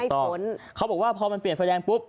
ก็ไม่ตอบเค้าบอกว่าพอมันเปลี่ยนไฟแดงปุ๊บ